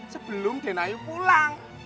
sebelum denayu pulang